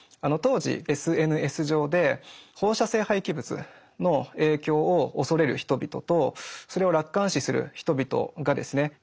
当時ＳＮＳ上で放射性廃棄物の影響を恐れる人々とそれを楽観視する人々がですね